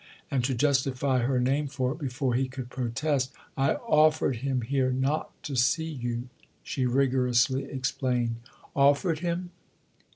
And to justify her name for it before he could protest, "I offered him here not to see you," she rigorously explained. "'Offered him?"